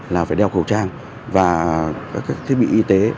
là phải đeo khẩu trang và các thiết bị y tế